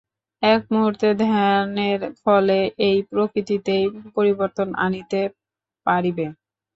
এক মুহূর্তের ধ্যানের ফলে এই প্রকৃতিতেই পরিবর্তন আনিতে পারিবে।